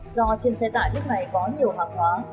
do trên xe tải lúc này có nhiều hạt hóa